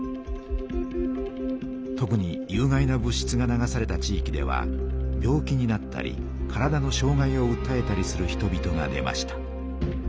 特に有害な物しつが流された地いきでは病気になったり体のしょう害をうったえたりする人々が出ました。